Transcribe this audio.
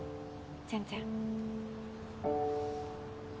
全然。